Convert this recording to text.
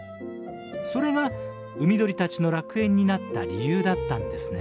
それが海鳥たちの楽園になった理由だったんですね。